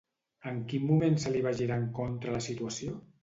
En quin moment se li va girar en contra la situació?